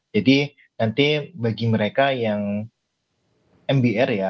jadi nanti bagi mereka yang mbr ya